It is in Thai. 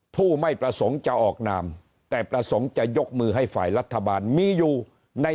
ผู้ไม่ประสงค์จะออกนามแต่ประสงค์จะยกมือให้ฝ่ายรัฐบาลมีอยู่ใน